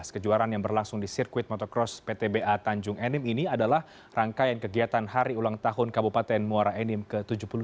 kejuaraan yang berlangsung di sirkuit motocross ptba tanjung enim ini adalah rangkaian kegiatan hari ulang tahun kabupaten muara enim ke tujuh puluh tiga